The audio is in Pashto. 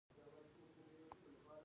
تاریخ د خپل ولس د سترو کسانو يادښت دی.